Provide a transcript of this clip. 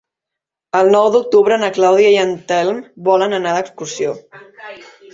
El nou d'octubre na Clàudia i en Telm volen anar d'excursió.